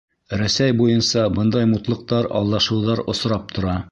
Рәсәй буйынса бындай мутлыҡтар, алдашыуҙар осрап тора.